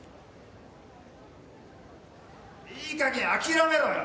・いいかげん諦めろよ！